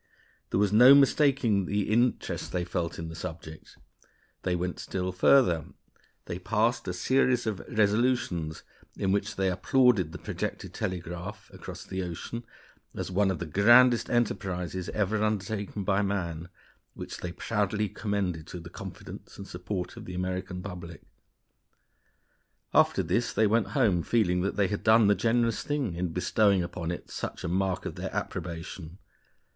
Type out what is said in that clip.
There was no mistaking the interest they felt in the subject. They went still further; they passed a series of resolutions, in which they applauded the projected telegraph across the ocean as one of the grandest enterprises ever undertaken by man, which they proudly commended to the confidence and support of the American public. After this they went home feeling that they had done the generous thing in bestowing upon it such a mark of their approbation.